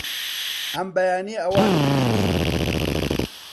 ئەم بەیانییە ئەوانت بینی؟